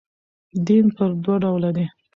دین پر دوه ډوله دئ.